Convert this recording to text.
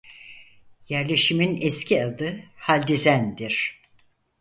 Yerleşimin eski adı "Haldizen"'dir.